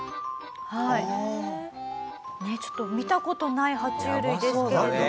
ねえちょっと見た事ない爬虫類ですけれども。